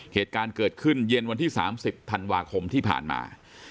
เหตุการณ์เกิดขึ้นเย็นวันที่๓๐ธันวาคมที่ผ่านมา